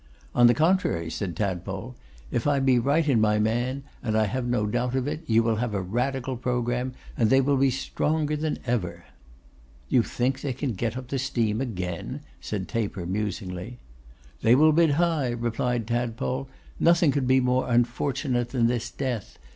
'On the contrary,' said Tadpole. 'If I be right in my man, and I have no doubt of it, you will have a radical programme, and they will be stronger than ever.' 'Do you think they can get the steam up again?' said Taper, musingly. 'They will bid high,' replied Tadpole. 'Nothing could be more unfortunate than this death.